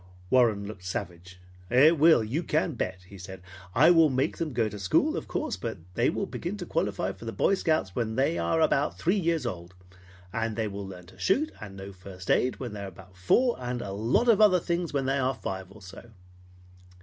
Warren looked savage. "It will, you can bet," he said. "I will make them go to school, of course, but they will begin to qualify for the Boy Scouts when they are about three years old; and they will learn to shoot, and know first aid when they are about four, and a lot of other things when they are five or so."